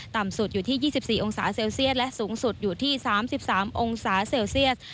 ต่ำสุดอยู่ที่๒๔องศาเซลเซียสและสูงสุดอยู่ที่๓๓องศาเซลเซียส